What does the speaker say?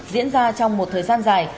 diễn ra trong một thời gian dài